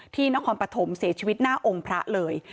นครปฐมเสียชีวิตหน้าองค์พระเลย